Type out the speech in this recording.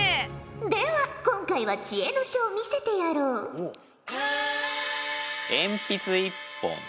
では今回は知恵の書を見せてやろう。え！